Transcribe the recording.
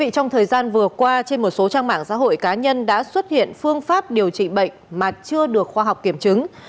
trong thời gian vừa qua trên một số trang mạng xã hội cá nhân đã xuất hiện phương pháp điều trị bệnh mà chưa được khoa học kiểm chứng